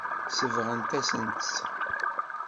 Sebɣent-asent-tt.